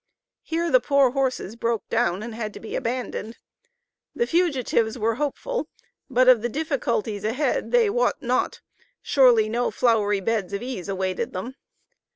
Here the poor horses broke down, and had to be abandoned. The fugitives were hopeful, but of the difficulties ahead they wot not; surely no flowery beds of ease awaited them.